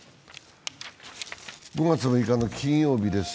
５月６日の金曜日です。